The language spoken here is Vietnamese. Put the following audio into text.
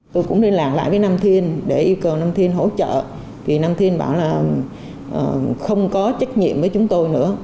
tôi cũng liên lạc lại với nam thiên để yêu cầu nam thiên hỗ trợ vì nam thiên bảo là không có trách nhiệm với chúng tôi nữa